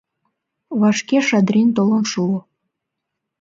Вашке Шадрин толын шуо.